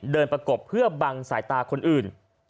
ประกบเพื่อบังสายตาคนอื่น